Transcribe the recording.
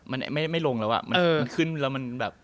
มันไม่ลงแล้วอ่ะมันขึ้นแล้วมันแบบ